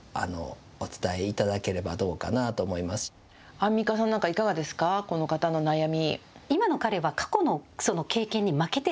アンミカさんなんか、いかがですか、この方の悩み。